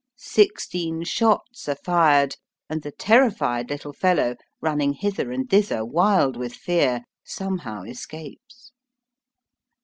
Sixteen shots are fired, and the terrified little fellow, running hither and thither wild with fear, somehow escapes.